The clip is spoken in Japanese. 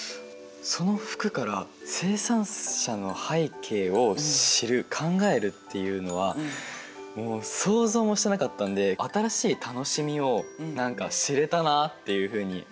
その服から生産者の背景を知る考えるっていうのはもう想像もしてなかったんで新しい楽しみを何か知れたなっていうふうに。